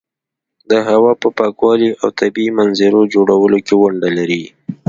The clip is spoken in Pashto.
د هوا په پاکوالي او طبیعي منظرو جوړولو کې ونډه لري.